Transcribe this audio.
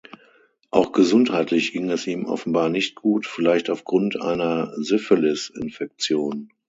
Auch gesundheitlich ging es ihm offenbar nicht gut, vielleicht aufgrund einer Syphilis-Infektion.